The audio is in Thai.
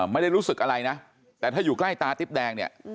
ไม่ได้รู้สึกอะไรนะแต่ถ้าอยู่ใกล้ตาติ๊บแดงเนี่ย